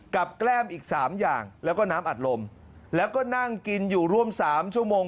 แก้มอีกสามอย่างแล้วก็น้ำอัดลมแล้วก็นั่งกินอยู่ร่วมสามชั่วโมง